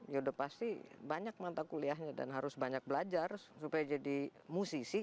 ya udah pasti banyak mata kuliahnya dan harus banyak belajar supaya jadi musisi